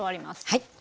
はい。